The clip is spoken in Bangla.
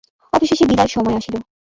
অবশেষে বিদায়ের সময় আসিল।